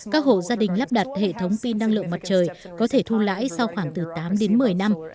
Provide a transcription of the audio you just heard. các hộ gia đình lắp đặt hệ thống pin năng lượng mặt trời có thể thu lãi sau khoảng từ tám đến một mươi năm